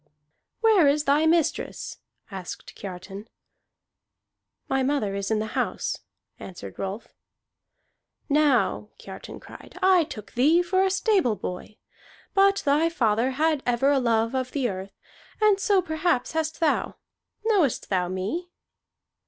"Where is thy mistress?" asked Kiartan. "My mother is in the house," answered Rolf. "Now," Kiartan cried, "I took thee for a stable boy. But thy father had ever a love of the earth, and so perhaps hast thou. Knowest thou me?"